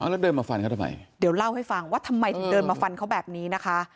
แล้วเดินมาฟันเขาทำไมเดี๋ยวเล่าให้ฟังว่าทำไมถึงเดินมาฟันเขาแบบนี้นะคะ